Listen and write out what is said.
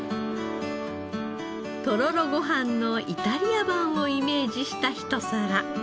とろろご飯のイタリア版をイメージした一皿。